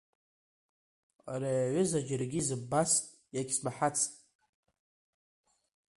Ари аҩыза џьаргьы изымбацт, иагьсмаҳацт!